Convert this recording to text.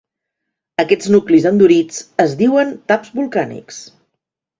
Aquests nuclis endurits es diuen taps volcànics.